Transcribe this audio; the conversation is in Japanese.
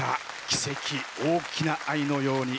「奇跡大きな愛のように」